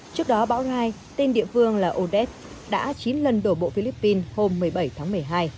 trước đó bão gai tên địa phương là odes đã chín lần đổ bộ philippines hôm một mươi bảy tháng một mươi hai